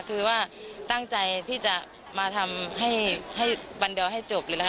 คือว่าตั้งใจที่จะมาทำให้ให้บรรดอลให้จบเลยนะคะ